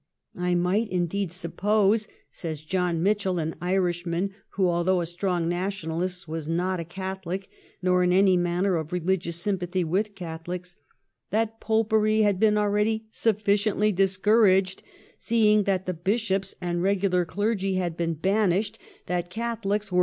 ' I might indeed suppose,' says John Mitchel, an Irishman who, although a strong Nationalist, was not a Catholic nor in any manner of religious sympathy with Catholics, ' that Popery had been already sufficiently discouraged seeing that the Bishops and regular clergy had been banished ; that Catholics were 200 THE REIGN OF QUEEN ANNE.